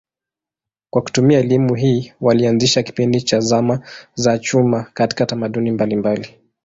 Kwa kutumia elimu hii walianzisha kipindi cha zama za chuma katika tamaduni mbalimbali.